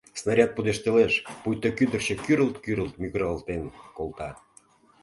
Снаряд пудештылеш, пуйто кӱдырчӧ кӱрылт-кӱрылт мӱгыралтен колта.